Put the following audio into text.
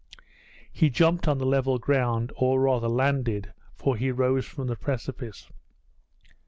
He jumped on the level ground, or rather landed, for he rose from the precipice.